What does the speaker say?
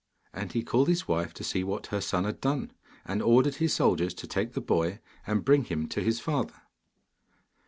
And he called his wife to see what her son had done, and ordered his soldiers to take the boy and bring him to his father.